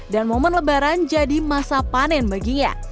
dan momen lebaran jadi masa panen baginya